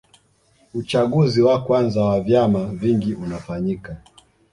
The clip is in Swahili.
Uchaguzi wa kwanza wa vyama vingi unafanyika